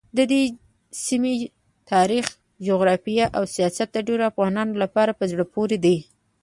ددې سیمې تاریخ، جغرافیه او سیاست ډېرو افغانانو لپاره په زړه پورې دي.